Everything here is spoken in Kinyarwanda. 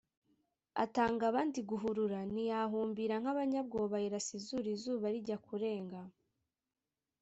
atanga abandi guhurura ntiyahumbira nk’abanyabwoba, ayirasa izuru izuba rijya kurenga,